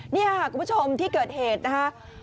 นี่ค่ะคุณผู้ชมที่เกิดเหตุนะคะ